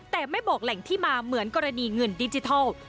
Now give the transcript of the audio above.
แต่ไม่บอกแหล่งที่มาเหมือนกรณีเงินดิจิทัล